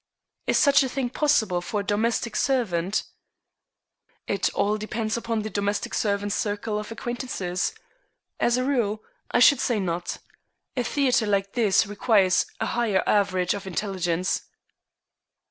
"Is such a thing possible for a domestic servant?" "It all depends upon the domestic servant's circle of acquaintances. As a rule, I should say not. A theatre like this requires a higher average of intelligence."